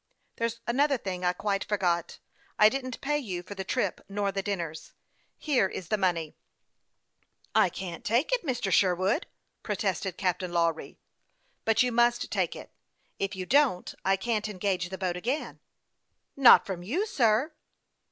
" There's another thing I quite forgot ; I didn't pay you for the trip nor the dinners. Here is the money." " I can't take it, Mr. Sherwood," protested Captain Lawry. " But you must take it ; if you don't I can't engage the boat again." " Not from you, sir."